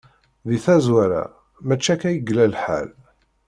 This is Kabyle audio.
Di tazwara, mačči akka i yella lḥal.